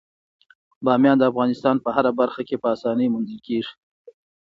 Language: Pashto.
بامیان د افغانستان په هره برخه کې په اسانۍ موندل کېږي.